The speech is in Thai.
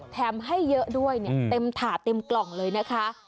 แถมให้เยอะด้วยเนี่ยเต็มถาดเต็มกล่องเลยนะคะ